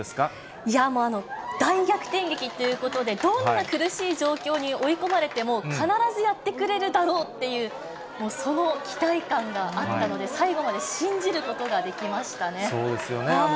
大逆転劇ということで、どんな苦しい状況に追い込まれても、必ずやってくれるだろうっていう、もうその期待感があったので、最後まで信じることができましたそうですよね。